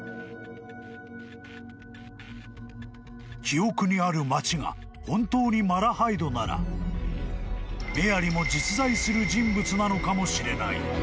［記憶にある町が本当にマラハイドならメアリも実在する人物なのかもしれない］